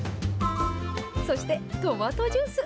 そしてトマトジュース。